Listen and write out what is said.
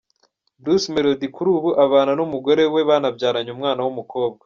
Bruce Melody kuri ubu abana n’umugore we banabyaranye umwana w’umukobwa .